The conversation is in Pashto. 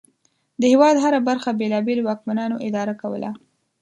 د هېواد هره برخه بېلابېلو واکمنانو اداره کوله.